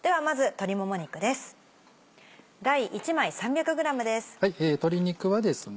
鶏肉はですね